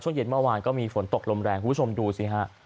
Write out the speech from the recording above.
เย็นเมื่อวานก็มีฝนตกลมแรงคุณผู้ชมดูสิฮะ